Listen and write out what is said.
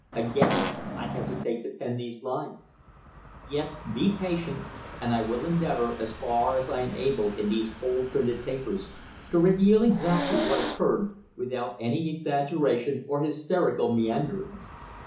Again I hesitate to pen these lines. Yet, be patient, and I will endeavour, as far as I am able in these cold printed pages, to reveal exactly what occurred, without any exaggeration or hysterical meanderings.